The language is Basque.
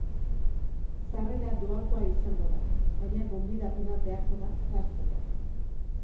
Sarrera doakoa izango da, baina gonbidapena beharko da sartzeko.